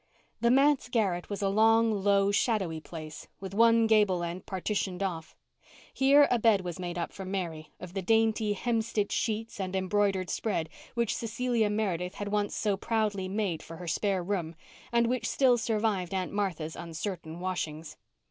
The manse garret was a long, low, shadowy place, with one gable end partitioned off. Here a bed was made up for Mary of the dainty hemstitched sheets and embroidered spread which Cecilia Meredith had once so proudly made for her spare room, and which still survived Aunt Martha's uncertain washings.